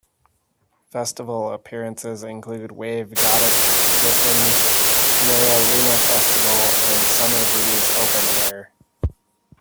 Festival appearances include Wave-Gotik-Treffen, Mera Luna Festival, and Summer Breeze Open Air.